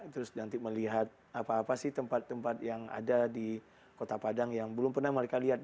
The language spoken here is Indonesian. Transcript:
terus nanti melihat apa apa sih tempat tempat yang ada di kota padang yang belum pernah mereka lihat